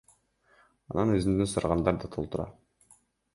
Анан өзүмдөн сурагандар да толтура.